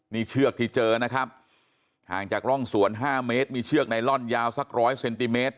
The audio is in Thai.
นี่เชือกที่เจอนะครับห่างจากร่องสวน๕เมตรมีเชือกไนลอนยาวสักร้อยเซนติเมตร